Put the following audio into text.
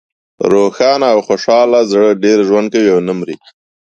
روښانه او خوشحاله زړه ډېر ژوند کوي او نه مری.